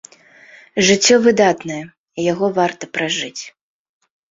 Жыццё выдатнае, і яго варта пражыць.